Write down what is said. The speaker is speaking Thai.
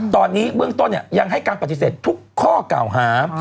ตอนนี้เบื้องต้นยังให้การปฏิเสธทุกข้อกล่าวหา